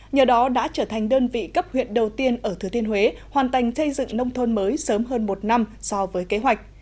nhờ đó đã trở thành đơn vị cấp huyện đầu tiên ở thừa thiên huế hoàn thành xây dựng nông thôn mới sớm hơn một năm so với kế hoạch